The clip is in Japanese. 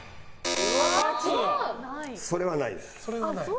それはないです。